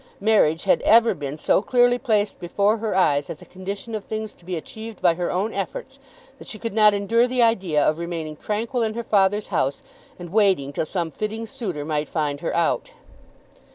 Marriage had ever been so clearly placed before her eyes as a condition of things to be achieved by her own efforts, that she could not endure the idea of remaining tranquil in her father's house and waiting till some fitting suitor might find her out.